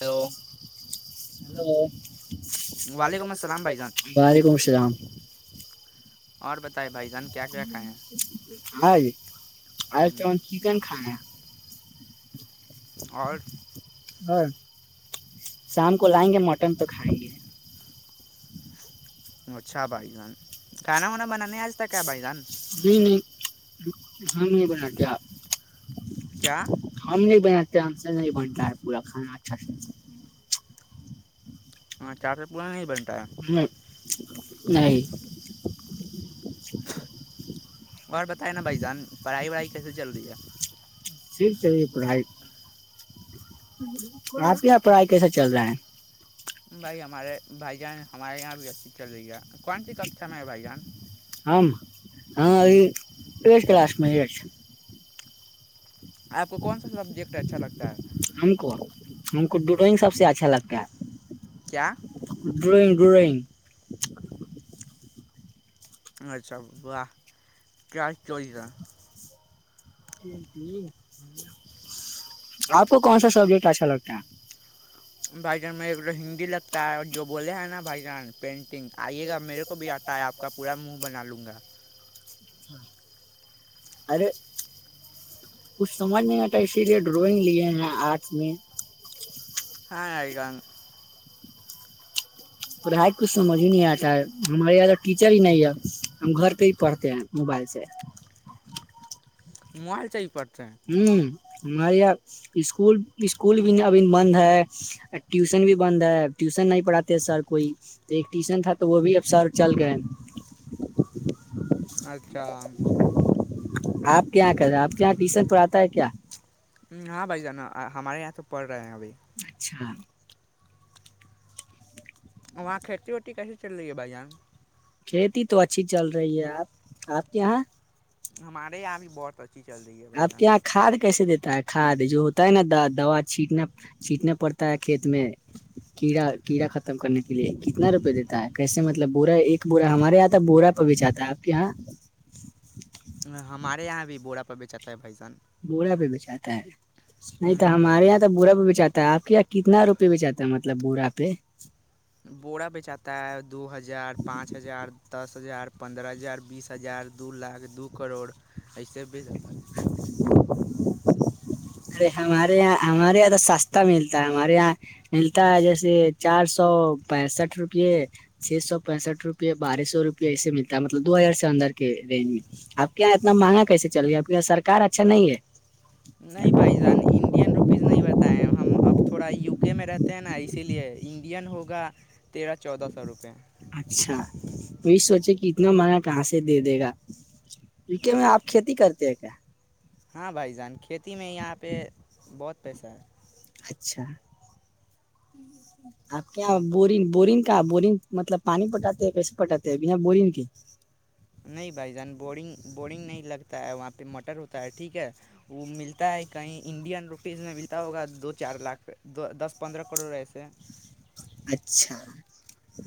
hello ولو و وعلیکم اللام السلام بھائی جان وعلیکم السلام اور بتائے بھائی جان کیا کیا کھائے ا ا تون ہیں چکن کھائےیں اور اور شام کو لائیں گے مٹن تو کھائیں گے ہ اچھا بھائی جان ہ کھانا ہماں وانا بنانے آج تک ہے بھائی جان نہیں ب کیا کیا ہم ج ب سے نہیں بنتا ہے پورا کھانا اچھا ہاں چار چ پور نہیں بن نہیں [unintelligible] اور بتائیں نا بھائی جان پڑھائی وڑھائی کیسے چل رہی ہے ٹھیک چلیے پڑھائی آپ یہ پڑھائی کیسا چل رہا ہے بھائی ہمارے بھائی جان ہمارے یہاں بھی ا چل رہی گیا کون سی ککھا میں ہے بھائی جان ہم ہوں مہیش آپ کو کون سا سبجیکٹ اچھا لگتا ہے ان کو ڈ ڈرائنگ سب سے اچھا لگتا کیا ہے ڈرئگ دورن [unintelligible] چوائس ہے [unintelligible] [unintelligible] آپ کو کون سا سبجیکٹ اچھا لگتا ہے بھائی جان میں ہندی لگتا ہے اور جو بولے ہیں نا بھائی جان پینٹنگ آئیے گا میرے کو بھی آ آپ کا پورا منہ بنا لوں گا ارے کچھ سمجھ نہیں آتا اسی لیے ڈرائنگ لیے ہیں آرٹ میں ہ آئی گاان پڑھائی کچھ سمجھ ہی نہیں آتا ہے ہمارے یہاں تو ٹیچر ہی نہیں ہے ہم گھر پہ ہی پڑھتے ہیں موبائل سے موائل چاہ ہی پڑتا ہوں ہمارے یہاں اسکول اسکول بھی ابھی بند ہے ٹیوشن بھی بند ہے ٹیوشن نہیں پڑھاتے سر کوئی تو ایک ٹیوشن تھا تو وہ بھی اب سر چل گئے اچھا ہا آپ کیا کریں آپ کیا ٹی شرٹ آتا ہے کیا ہاں بھائی جانا ہمارے یہاں تو اوپر اچھا وہاں کھیتی واٹی کیسے چل رہی ہے بھائی یہاں کھیتی تو اچھی چل رہی ہے آپ آپ کے یہاں ہمارے یہاں بھی بہت اچھی چلتی ہے بھائی آپ کے جان یہاں کھاد کیسے دیتے تا کھاد جو ہوتا ہے نا دوا چٹنا چھینٹنا پڑتا ہے کھیت میں کیڑا کیڑا ختم کرنے کے لیے کتنا روپے دیتا ہے کیسے مطلب بورا ایک بورا ہمارے یہاں تو بورا پ بیچھاتا ہے آپ کے یہاں ہمارے یہاں بھی بوڑا پ بیچاتا ہے بھ جان بوڑا پہ بچاتا ہے نہیں تو ہوں بھائی ہمارے جان یہاں تو برا بھی بی چاہتا ہے آپ کے یہاں کتنا روپے بیچاتا ہے مطلب بوورا پہ بورا بیچاتا ہے دو ہزار پانچ ہزار دس ہزار پندرہ ہزار بیس ہزار دو لاکھ دو کروڑ ایسے بیچاتا ہے [inaudible] ارے ہمارے یہاں ہمارے یہاں تو سستا ملتا ہے ہمارے یہاں ملتا ہے جیسے چار سو پینسٹھ روپے چھ سو پینسٹھ روپے بارہس سو روپے ایسے ملتا مطلب دو ہزار سے اندر کے رینج میں آپ کے یہاں اتنا مہنگا کیسے چل گیا آپ کے یہاں سرار اچھا نہیں ہے نہیں بھائی جان انڈین روپیز نہیں بات ہم اب تھوڑا یو کے میں رہتے ہیں نا اسی لیے انڈین ہوگا تیرہ چودہ سو روپے اچھا یہی سوچے کی اتنا منا کہاں سے دے دے گا وک میں آپ کھیتی کرتے ہیں کیا ہاں بھائی جان کھیتی میں یہاں پہ بہت پیسہ ہے اچھا آپ کیا ہاں بورنگ بورنگ کیا بورنگ مطلب پانی پٹاتے ہیں کیسے پٹاتے ہیں بنا بورنگ کے [unintelligible] نہیں بھائی جان بورنگ بورنگ نہیں لگتا ہے وہاں پہ [unintelligible] تو مٹر ہوتا ہے ٹھیک ہے [unintelligible] ہے کہیں انڈین روپیز میں ملتا ہوگا دو چار لاکھ دس پندرہ کروڑ ایسے اچھا [inaudible]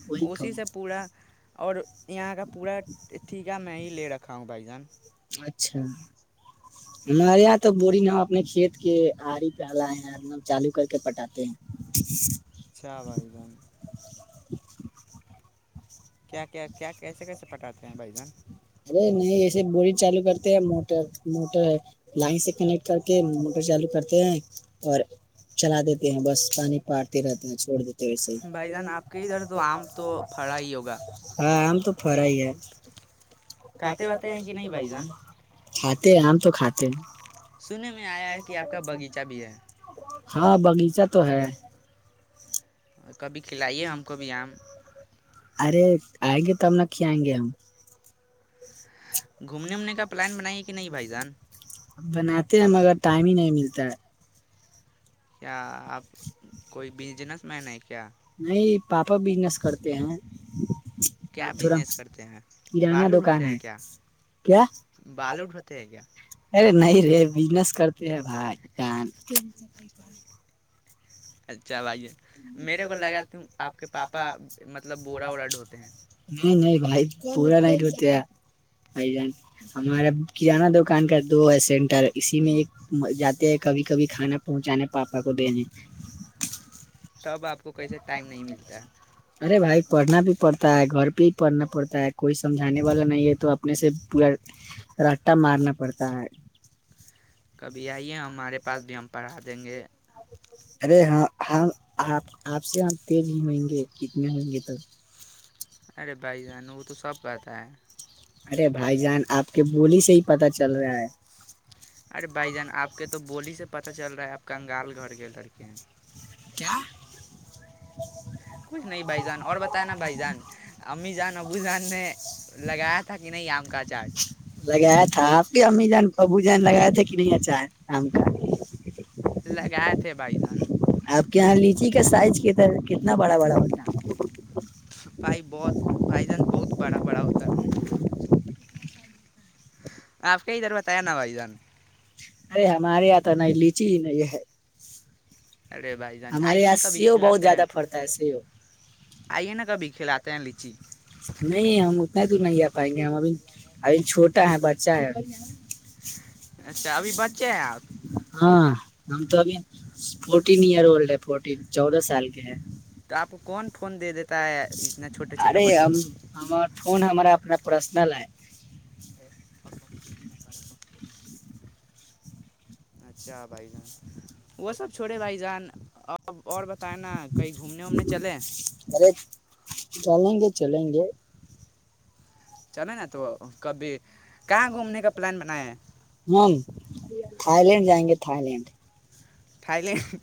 وہی اسی کہوں سے پورا اور یہاں کا پورا ٹھیکا میں ہی لے رکھا ہوں بھائی جان [unintelligible] اچھا ہمارے یہاں تو بوروری ن ہم اپنے کھیت کے آڑی پہ ہلائے ہیں ن ہم چالو کر کے پٹاتے ہیں [unintelligible] شاہ بائی جان [unintelligible] کیا کیا کیا کیسے کیسے پٹاتے ہیں بھ جان [unintelligible] ارے نہیں ایسے بورنگ چالو کرتے ہیں موٹر موٹر لائن سے کنیکٹ کر کے موٹر چالو کرتے ہیں اور چلا دیتے ہیں بس پانی پارتے رہتے ہیں چھوڑ دیتے بھائی جان آپ کے ادھر تو آم تو پڑا ہی ہوگا [unintelligible] ہاں [inaudible] تو فرا ہی ہے [unintelligible] کہتے وے ہیں کہ نہیں بھائی جان [unintelligible] کھاتے ہمم تو کھاتے ہیں سننے میں آیا ہے کہ آپ کا باغیچہ بھی ہے [unintelligible] [inaudible] ہاں باغیچہ تو ہے [unintelligible] کبھی [inaudible] یہ ہو ہم کو بھی آم [inaudible] ارے آئیں گے تب نہ ک آئیں گے ہم [unintelligible] گھومنے اومنے کا پلان بنائیے کہ نہیں بھائی جان [unintelligible] بناتے ہیں مگر ٹائم ہی نہیں ملتا ہے [unintelligible] کیا آپ کوئی بزنس مین ہے کیا [unintelligible] نہیں پاپا بزنس کرتے ہیں کیا تھورا بزنس کرتے ہیں کرانہ بالو دکان ڈھوتے ہیں ہے کیا کیا ب بالو ڈھوتے ہیں کیا ارے نہیں رے بجنس کرتے ہیں بھائی چان اچھا بھائی جان میرے کو مے لگا تم آپ کے کو کافا پاپا مطلب ملب بورا باا وورا ڈھوتے ہیں نہیں بائی پورا نائٹ ہوتے ا جان ہمار کانہ دکان کا دو ہے سینٹر اسی میں ایک جاتے ہیں کبھی کبھی کھانا پہنچانے پاپا کو دینے تب آپ کو کیسے ٹائم نہیں ملتا ہے ارے بھائی پڑھنا بھی پڑتا ہے گھر پہ ہی پڑھنا پڑتا ہے کوئی سمجھانے والا نہیں ہے تو اپنے سے پورا رٹا مارنا پڑتا ہے کبھی آئیے ہمارے پاس بھی ہم پڑھا دیں گے ارے ہاں ہاں ہ آپ سے ہم تیل بھی ہئیں گے کتنے ہئیں گے تب ارے بھائی جان وہ تو سب کہتا ہے ارے بھائی جان آپ کی بولی سے ہی پتا چل رہا ہے ارے بھائی جان آپ کے تو بولی سے پتا چل رہا ہے آپ کنگال گھر کے لڑکے ہیں کیا کچھ نہیں بھ جان اور بت نا بھائی جان امی جان ابو جان نے لگایا تھا کہ نہیں آم کا چاٹ لگایا تھا آپ کے امی ابو جان لگائےیا تھے کہ نہیں اچار کام کر لگائے تھے بھائی جان آپ کے یہاں لیچی کا سائز کتنا بڑا بڑا ہوتا بھائی بہت بھائی جان بہت بڑا بڑا ہوتا ہے آپ کئی طرو تھایا ن بھائی جان ارے ہمارے یہاں تو نہیں لیچی ہی نہیں ہے ارے بھائی جان ہمارے آئیے یہاں نا کبھی سیو بہت کھلاتے ہیں زیادہ پڑتا ہے سیو آئیے نا کبھی کھلاتے ہیں لیچی نہیں ہم اتنا دور نہیں آ پائیں گے ہم ابھی ابھی چھوٹا ہے بچہ ہے اچھا ابھی بچے ہیں آپ ہاں ہمم تو ابھی فورٹین ئر اولڈ ہے فورٹین چودہ سال کے ہے تو آپ کون فون دے دیتا ہے اتنا چھوٹے چھوٹے ارے بچوں کو پرشن ل [inaudible] اچھا بھائی جان وہ سب چھوڑے بھائی جان اور اب اور بتائے نا کہیں گھومنے وومنے چلے ارے چلیں گے چلیں گے چلیں نا تو نب کبھی کہاں گھومنے کا پ پلان بنائے ہیں ہ تھائی لینڈ جائیں گے Thailand Thailand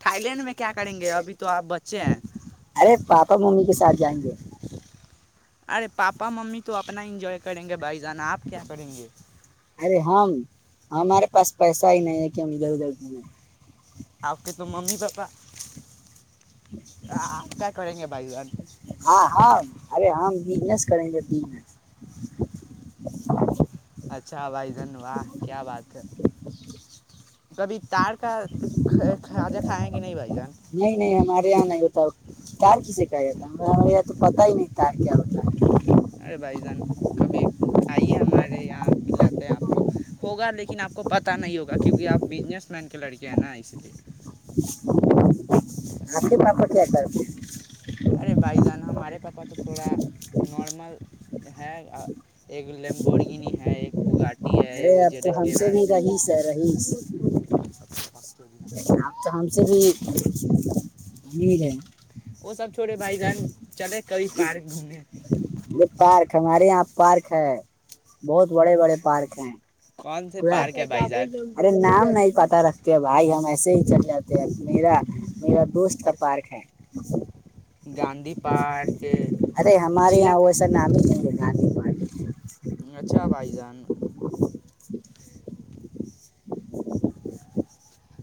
Thailand میں کیا کریں گے ابھی تو کیا آپ بچے ہیں ارے پاپا ممی کے ساتھ جائیں گے ارے پاپا ممی تو اپنا انجوائے کریں گے بھائی جانہ آپ کیا کریں گے ہاں ہمارے پاس پیسہ ہی نہیں ہے کہ ہم ادھر ادھر گھومیں آپ کے تو ممی پپا ہاں ہاں ارے ہاں وجنس کریں گ پ اچھا بھائی جن واہ کیا بات ہے کبھی تار کا ک کھوجا کھائیں گے نہیں بھائی جان یہ نہیں ہوتا تار کسے کہتا ہم تو پتا ہی نہیں تار کیا ہوتا ارے بھائی جان کبھی آئیے ہمارے رہ آ [inaudible] کھلاتے ہیں آپ کو ہوگا لیکن آپ کو پتہ نہیں ہوگا کیونکہ آپ بزنس مین کے لڑکے ہیں نا اسی لیے آ کے پپ کیا کرتے [unintelligible] ارے بھائی جان ہمارے پاپا تو تھوڑا نارمل ہےاں ایک لیمبورگنی ہے ایک بگاٹ ارے اب تو ہم سے بھی رہیس ہے رہیس [unintelligible] پ تو ہم سے بھی [unintelligible] نہیںیر وہ سب توے چھوڑے بھائی جان چلے کبھی ک پارک گھومنے یہ پارک ہمارے یہاں پارک ہے بہت بڑے بڑے پارک ہیں کون سے پ پارک ہے بھائی جان ارے نام نہیں پات رستتے ہم ایسے ہی چل جاتے ہیں ما میرا دوست کا اور پارک ہے گاندھی پارک ارے ہمارے ضلع یہاں وسا نام ہی جد ب اچھا بھائی جان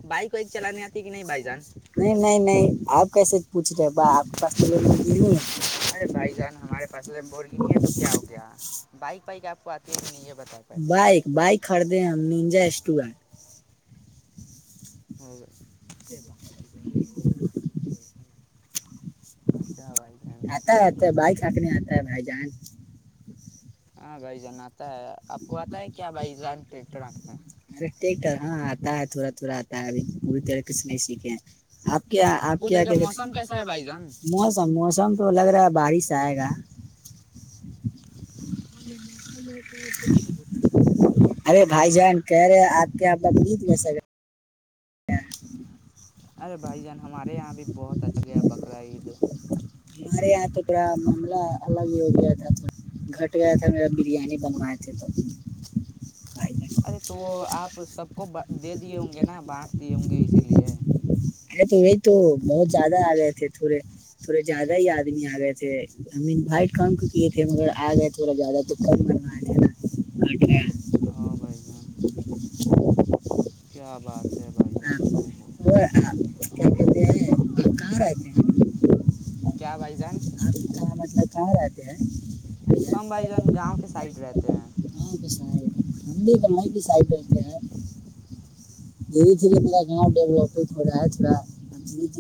بائک کو وائک چلانے چلانی آتی ہے کہ نہیں پائی بھائی گا جان نہیں نہیں نہیں آپ کیسے پوچھ رہے با آپ کے پا تو لیبر ج نہیں ہی ہے بھائی جان ارے ہمارے پاس لیمبورگینی ہے تو کیا ہو گیا بس بائک وائک آپ کو آتی ہے کہ نہیں یہ بتائیں بائک بائک خریدے ہم ج تو ہے اچھا بھائی جان آتا ہے آتا ہے بائک ہانکنے آتا ہے بھائی جان ہاں گائی جاننا تا ہے کیا بھائی ٹریکٹر آنکھ میں ہاں آتا ہے تھڑا رہاتا ہے ابھی پوری طرح کچھ نہیں سیکھے آپ کیا آپ کیا ادھر کا کیا موسم ستے کیسا ہے بھائی جان موسم موسم تو لگ رہا ہے بارش جائے گہ [inaudible] ان بتن چنا ارے بھائی جان کہہ رہے ہیں آپ کے بقریت لے سے ارے بھائی جان ہمارے یہاں بھی بہت اچھا گیا بقر عید ہمارے یہاں تو پڑا معاملہ الگ ہی ہو گیا تھا تو گھٹ گیا تھا میرا بریانی بنوائے تھے تو ارے تو آپ سب کو دے دیے ہوں گے نا بانٹ دیے ہوں ارے گے اسی لیے تھورے تھورے [unintelligible] زیادہ ہی آدمی آ گئے تھے ہم انوائٹ کم کیے تھے مگر آ گئے تھوڑا زیادہ تو کم کروئے تھے نا کٹ گیا [unintelligible] او بھائی جان [inaudible] کیا بات [unintelligible] پے بائی جن ہاں ہو ہوو وہ آپ کیا کہتے ہیں آپ کہاں رہتے ہیں [unintelligible] کیا بھائی جان [unintelligible] کانتے ہیں ہم بھائی جان گاؤں [unintelligible] کے سائڈ رہتے ہیں [unintelligible] ہمم کا مائ پی س آاہپک دھیرے دھیرے ما گاؤں ڈیولپ ہو رہا ہے تھوڑا د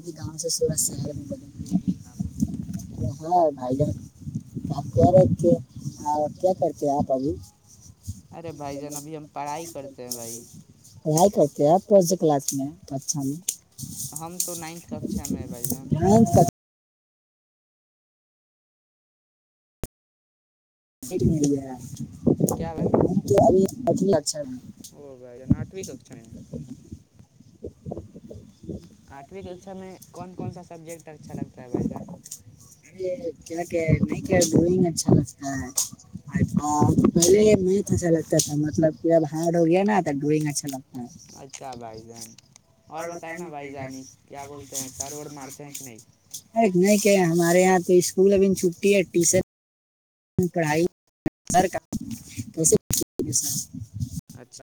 دے گاؤں سے سورت شہر میں بدلا بھائی جان آپ کہہ رہے کہ کیا کرتے ہیں آپ ابھی ارے بھائی جان ابھی ہم پڑھائی کرتے ہیں بھائی آئیت [unintelligible] کیا پروجیکٹ لاکنے پچھا میں [unintelligible] ہم تو نائنتھ ککچا میںے بھائی جان ہم م کیا بھائی میا [unintelligible] ابھی ا اچھا [unintelligible] او بھائی جان آٹھویں ککشا میں آٹھویں کے ککا میں کون کون سا سبجیکٹ اچھا لگتا ہے بھائی جان ار کیا کہ نہیں کیاار ڈگ اچھا لگتا [unintelligible] پہلے میت اچھا لگتا تھا مطلب کہ اب ہارڈ ہو گیا نا ڈرائنگ اچھا لگتا [unintelligible] اچھا بھائی جان اور بتائے نا بھائی جانی کیا بولتے ہیں سر اور مارتے ہیں کہ نہیں [unintelligible] ار نہیں کہ ہمارے یہاں تو اسکول ابھی چھٹی ہے ٹیشن پڑھائی [unintelligible] اچھا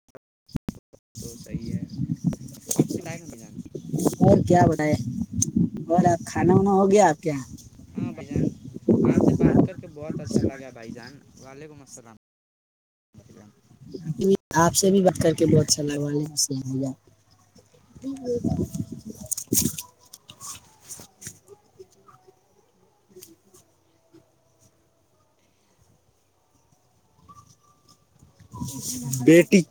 تو صحیح ہے پر کچھ بات نہ بھی جان [inaudible] آپ کانا وانا ہو گیا آپ کے ہاں بھائی جان آپ سے بات کر کے بہت اچھا لگا بھائی جان [inaudible] وعلیکم السلام بھائی جان آپ سے بھی بات کر کے بہت اچھا لگوا بیٹی [inaudible]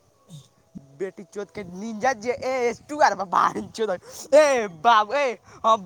بیٹی چت کے جات باب اہاں